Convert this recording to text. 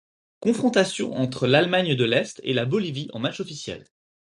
Confrontations entre l'Allemagne de l'Est et la Bolivie en matchs officiels.